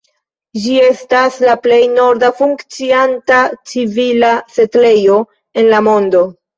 Ĝi estas la plej norda funkcianta civila setlejo en la mondo.